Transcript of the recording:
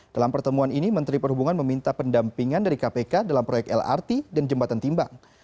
dalam pertemuan ini menteri perhubungan meminta pendampingan dari kpk dalam proyek lrt dan jembatan timbang